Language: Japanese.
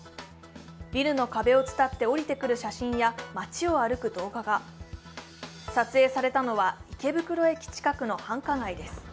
ビルの壁を伝って下りてくる写真や街を歩く動画が撮影されたのは池袋駅近くの繁華街です。